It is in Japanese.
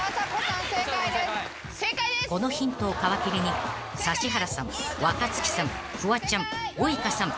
［このヒントを皮切りに指原さん若槻さんフワちゃんウイカさん